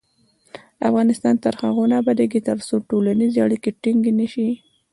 افغانستان تر هغو نه ابادیږي، ترڅو ټولنیزې اړیکې ټینګې نشي.